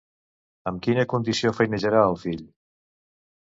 Amb quina condició feinejarà el fill?